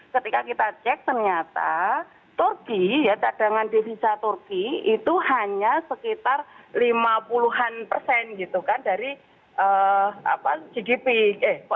ketika kita cek ternyata turki ya cadangan devisa turki itu hanya sekitar lima puluh an persen gitu kan dari gdp